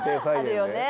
あるよね